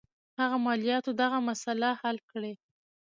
هغه مالیاتو دغه مسله حل کړي.